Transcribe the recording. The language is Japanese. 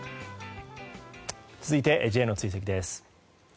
続いて、Ｊの追跡です。